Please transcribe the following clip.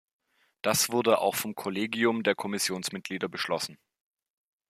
Das wurde auch vom Kollegium der Kommissionsmitglieder beschlossen.